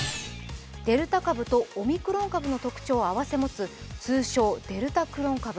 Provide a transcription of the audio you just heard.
デルタ株とオミクロン株の特徴を併せ持つ通称・デルタクロン